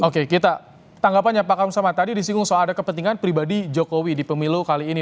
oke kita tanggapannya pak kamsama tadi disinggung soal ada kepentingan pribadi jokowi di pemilu kali ini